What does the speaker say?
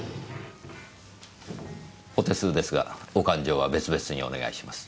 お手数ですがお勘定は別々にお願いします。